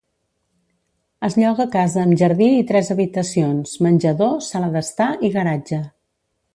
Es lloga casa amb jardí i tres habitacions, menjador, sala d'estar i garatge.